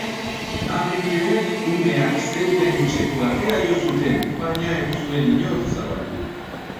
Agenteek umeak zeuden etxeko atea jo zuten baina ez zuen inor zabaldu.